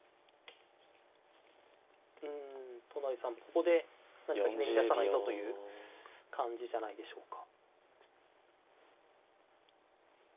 うん都成さんもここで何かひねり出さないとという感じじゃないでしょうか。